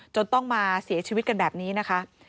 จนต้องมาเสียชีวิตกันแบบนี้นะคะ